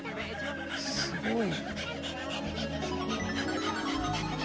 すごい！